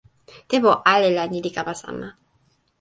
tenpo ale la ni li kama sama.